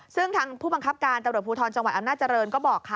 ซึ่งทางผู้บังคับการตำรวจภูทรจังหวัดอำนาจริงก็บอกค่ะ